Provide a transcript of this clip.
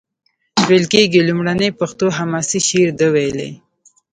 ویل کیږي لومړنی پښتو حماسي شعر ده ویلی.